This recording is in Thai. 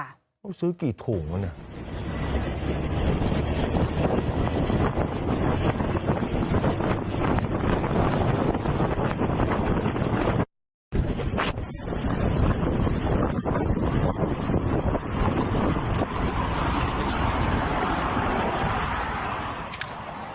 เขาซื้อกี่ถุงวะเนี่ย